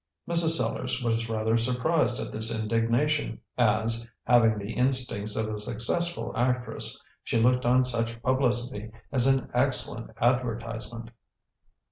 Mrs. Sellars was rather surprised at this indignation, as, having the instincts of a successful actress, she looked on such publicity as an excellent advertisement.